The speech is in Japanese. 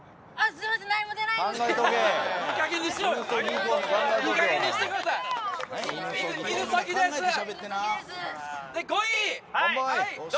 すみません何も出ないんですけど。